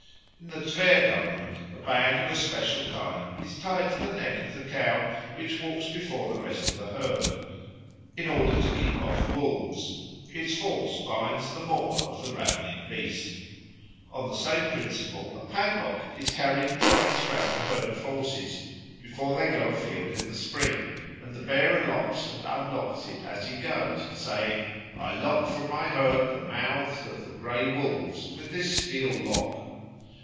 In the Tver Government a bag of a special kind is tied to the neck of the cow which walks before the rest of a herd, in order to keep off wolves; its force binds the maw of the ravening beast. On the same principle, a padlock is carried thrice round a herd of horses before they go afield in the spring, and the bearer locks and unlocks it as he goes, saying, "I lock from my herd the mouths of the grey wolves with this steel lock."